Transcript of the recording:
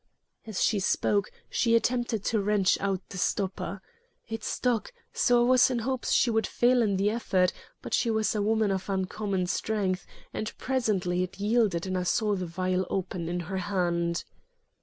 As she spoke, she attempted to wrench out the stopper. It stuck, so I was in hopes she would fail in the effort, but she was a woman of uncommon strength and presently it yielded and I saw the vial open in her hand.